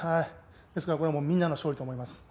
ですからこれはもう、みんなの勝利だと思います。